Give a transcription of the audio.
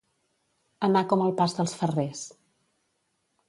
Anar com el pas dels ferrers.